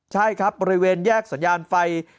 ใช่ครับบริเวณแยกสัญญาณไฟ